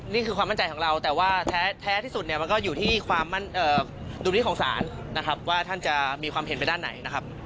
นี่คือความมั่นใจของเราแต่ว่าแท้ที่สุดเนี่ยมันก็อยู่ที่ความดุลมิตของศาลนะครับว่าท่านจะมีความเห็นไปด้านไหนนะครับ